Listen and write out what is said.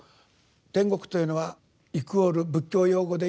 「諂曲」というのはイコール仏教用語で言う「修羅」。